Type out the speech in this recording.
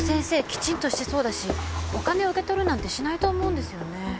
きちんとしてそうだしお金を受け取るなんてしないと思うんですよね。